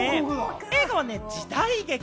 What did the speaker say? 映画はね、時代劇。